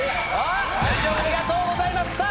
ありがとうございます！